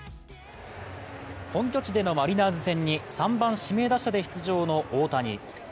本拠地でのマリナーズ戦に３番・指名打者で出場の大谷。